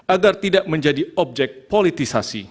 agar tidak menjadi objek politisasi